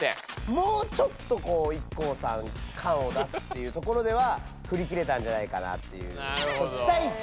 もうちょっとこうＩＫＫＯさん感を出すっていうところではふりきれたんじゃないかなっていうきたいちといういみでの。